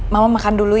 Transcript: mama makan dulu ya